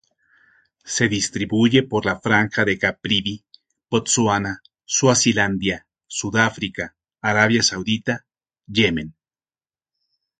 Se distribuye por la Franja de Caprivi, Botsuana, Suazilandia, Sudáfrica, Arabia Saudita, Yemen.